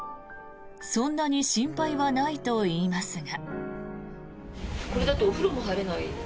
そんなに心配はないと言いますが。